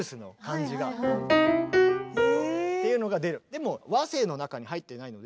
でも和声の中に入っていないので。